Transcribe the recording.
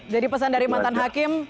jadi pesan dari mantan hakim